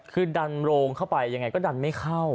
คือดันโรงเข้าไปยังไงก็ดันไม่เข้า